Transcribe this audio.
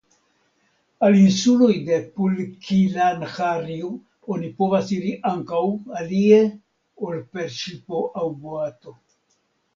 Al insuloj de Pulkkilanharju oni povas iri ankaŭ alie ol per ŝipo aŭ boato.